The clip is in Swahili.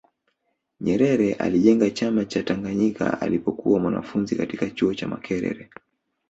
nyerere alijenga chama cha tanganyika alipokuwa mwanafunzi katika chuo cha makerere